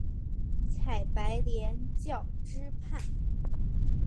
采白莲教支派。